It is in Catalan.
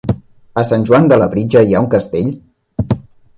A Sant Joan de Labritja hi ha un castell?